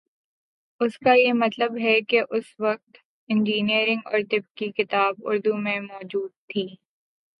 اس کا مطلب یہ ہے کہ اس وقت انجینئرنگ اور طب کی کتب اردو میں مو جود تھیں۔